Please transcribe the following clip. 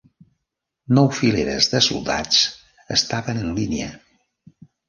Nou fileres de soldats estaven en línia.